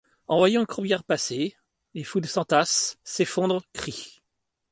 En voyant le corbillard passer, les foules s'entassent, s'effondrent, crient.